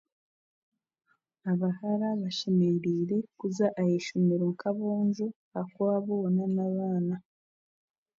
Abahara bashemereire kuza aha ishomero nk'aboojo ahabwokuba boona n'abaana